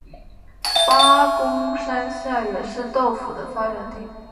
八公山下也是豆腐的发源地。